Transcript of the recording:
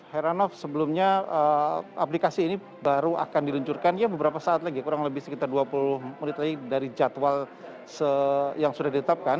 heranov sebelumnya aplikasi ini baru akan diluncurkan ya beberapa saat lagi kurang lebih sekitar dua puluh menit lagi dari jadwal yang sudah ditetapkan